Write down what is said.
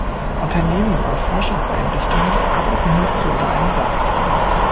Unternehmen und Forschungseinrichtungen arbeiten hierzu unter einem Dach.